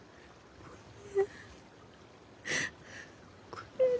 ごめんね。